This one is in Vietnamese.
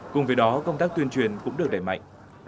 cùng với đó công tác tuyên truyền cũng được đẩy mạnh